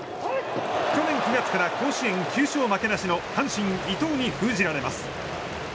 去年９月から甲子園９勝負けなしの阪神、伊藤に封じられます。